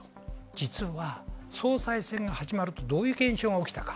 実は総裁選が始まると、どういう現象が起きたか。